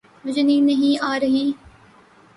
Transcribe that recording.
مجھے نیند نہیں آ رہی۔